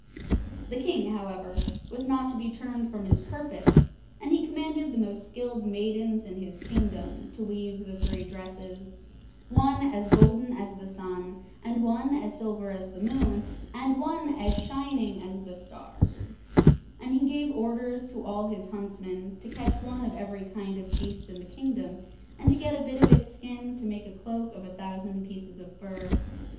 The King, however, was not to be turned from his purpose, and he commanded the most skilled maidens in his kingdom to weave the three dresses, one as golden as the sun, and one as silver as the moon, and one as shining as the stars; and he gave orders to all his huntsmen to catch one of every kind of beast in the kingdom, and to get a bit of its skin to make the cloak of a thousand pieces of fur.